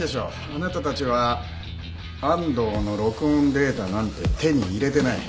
あなたたちは安藤の録音データなんて手に入れてない。